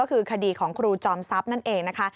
ก็คือคดีของครูจอมทรัพย์นั่นเองนะคะ